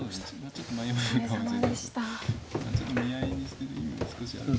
ちょっと見合いにしてる意味も少しある。